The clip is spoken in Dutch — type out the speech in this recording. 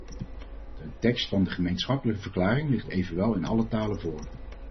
De tekst van de gemeenschappelijke verklaring ligt evenwel in alle talen voor.